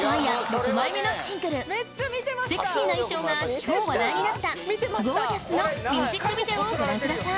６枚目のシングルセクシーな衣装が超話題になった『ゴージャス』のミュージックビデオをご覧ください